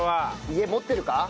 家持ってるか？